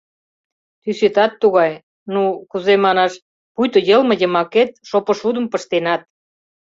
Тӱсетат тугай, ну, кузе манаш, пуйто йылме йымакет шопышудым пыштенат.